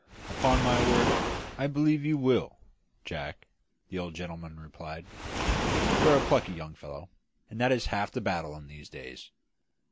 "Upon my word, I believe you will, Jack," the old gentleman replied. "You are a plucky young fellow, and that is half the battle in these days.